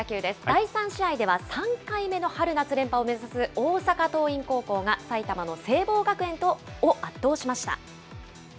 第３試合では、３回目の春夏連覇を目指す大阪桐蔭高校が埼玉の聖望学園を圧倒しました。